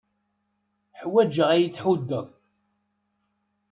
Ḥwajeɣ ad iyi-tḥuddeḍ.